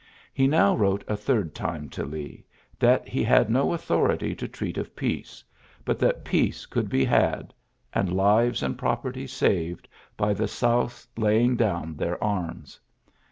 He now wrote a third time to Lee that he had no authority to treat of peace, but that peace could be liad, and lives and property saved, by the South's laying down their arms.